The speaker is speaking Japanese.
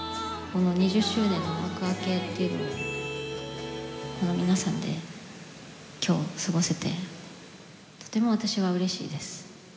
この２０周年の幕開けっていうのを、この皆さんで、きょう過ごせて、とても私はうれしいです。